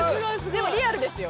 でもリアルですよ